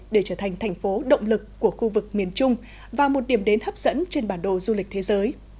để trở thành thành phố động lực của khu vực miền trung và một điểm đến hấp dẫn trên bản đồ du lịch thế giới